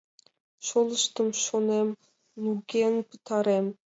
Шолыштым, — шонем, — луген пытарем!»